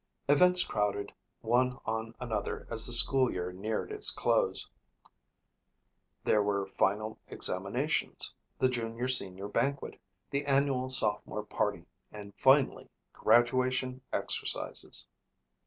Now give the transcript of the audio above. Events crowded one on another as the school year neared its close. There were final examinations, the junior senior banquet, the annual sophomore party and finally, graduation exercises.